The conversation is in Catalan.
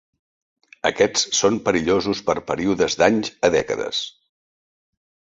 Aquests són perillosos per períodes d'anys a dècades.